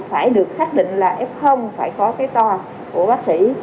phải được xác định là f phải có cái to của bác sĩ